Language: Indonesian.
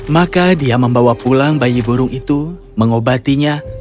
maka dia membawa pulang bayi burung itu mengobatinya